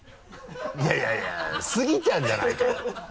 いやいやスギちゃんじゃないかよ！